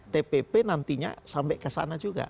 tpp nantinya sampai ke sana juga